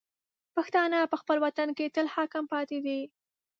پښتانه په خپل وطن کې تل حاکم پاتې دي.